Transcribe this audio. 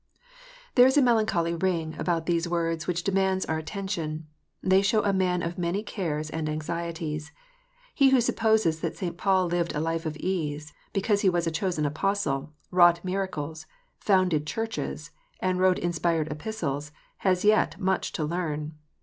There is a melancholy ring about these words which demands our attention. They show a man of many cares and anxieties. He who supposes that St. Paul lived a life of ease, because he was a chosen Apostle, wrought miracles, founded Churches, and wrote inspired Epistles, has yet much to learn.